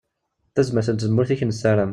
D tazmert n tzemmurt i ak-nessaram.